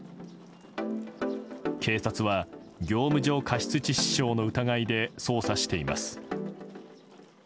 警察は業務上過失致死傷の疑いで捜査しています。